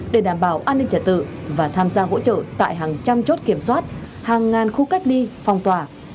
để đảm bảo an ninh trả tự và tham gia hỗ trợ tại hàng trăm chốt kiểm soát hàng ngàn khu cách ly phong tỏa